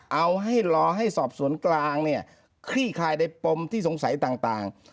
เอาให้รอให้สอบสวนกลางเนี่ยคลี่คลายในปมที่สงสัยต่าง